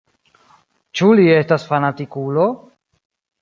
Ĉu li estas fanatikulo?